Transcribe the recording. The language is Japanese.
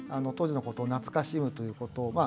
当時のことをなつかしむということ。